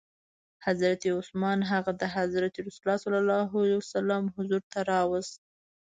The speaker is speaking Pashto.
حضرت عثمان هغه د حضرت رسول ص حضور ته راووست.